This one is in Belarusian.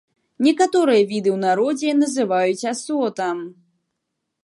Некаторыя віды ў народзе называюць асотам.